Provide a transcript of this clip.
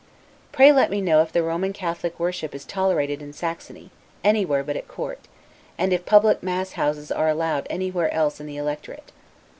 Pray let me know if the Roman Catholic worship is tolerated in Saxony, anywhere but at Court; and if public mass houses are allowed anywhere else in the electorate.